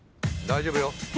大丈夫よ。